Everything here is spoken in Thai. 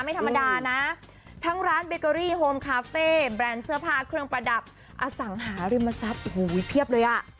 ไม่ธรรมดานะทั้งร้านเบเกอรี่โฮมคาเฟ่แบรนด์เสื้อผ้าเครื่องประดับอสังหาริมทรัพย์โอ้โหเพียบเลยอ่ะ